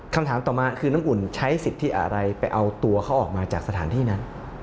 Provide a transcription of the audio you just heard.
คำถามต่อมาคือน้ำอุ่นใช้สิทธิอะไรไปเอาตัวเขาออกมาจากสถานที่นั้น